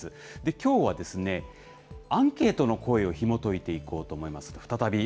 きょうはですね、アンケートの声をひもといていこうと思います。